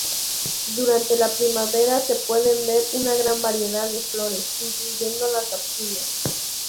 Durante la primavera se puede ver una gran variedad de flores, incluyendo las orquídeas.